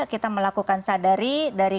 kita melakukan sadari dari